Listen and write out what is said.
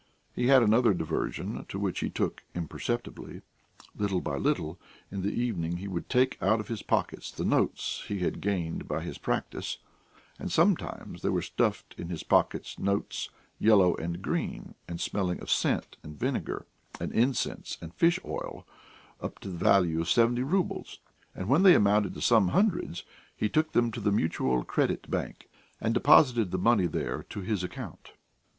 He had another diversion to which he took imperceptibly, little by little: in the evening he would take out of his pockets the notes he had gained by his practice, and sometimes there were stuffed in his pockets notes yellow and green, and smelling of scent and vinegar and incense and fish oil up to the value of seventy roubles; and when they amounted to some hundreds he took them to the Mutual Credit Bank and deposited the money there to his account.